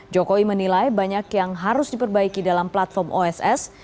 jokowi menilai banyak yang harus diperbaiki dalam platform oss